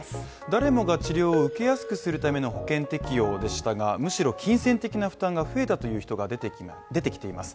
誰もが治療を受けやすくするための保険適用でしたがむしろ金銭的な負担が増えたという人が出てきます。